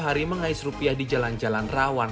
hari mengais rupiah di jalan jalan rawan